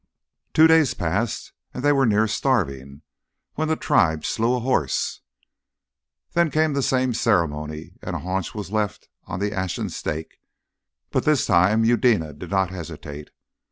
Two days passed and they were near starving, when the tribe slew a horse. Then came the same ceremony, and a haunch was left on the ashen stake; but this time Eudena did not hesitate.